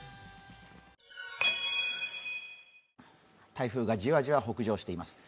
台風がじわじわ北上しています。